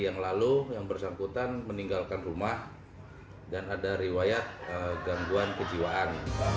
yang lalu yang bersangkutan meninggalkan rumah dan ada riwayat gangguan kejiwaan